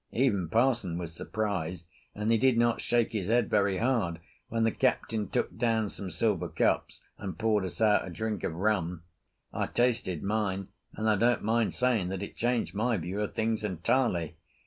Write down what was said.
Even parson was surprised, and he did not shake his head very hard when the Captain took down some silver cups and poured us out a drink of rum. I tasted mine, and I don't mind saying that it changed my view of things entirely.